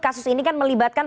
kasus ini kan melibatkan